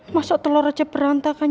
masa telor aja berantakan